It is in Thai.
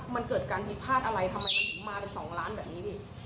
มันเกิดการผิดพลาดอะไรทำไมมันถึงมาอย่างงแบนนี้